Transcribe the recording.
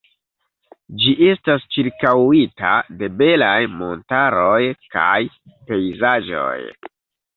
Ĝi estas ĉirkaŭita de belaj montaroj kaj pejzaĝoj.